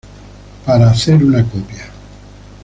Para hacer una copiaː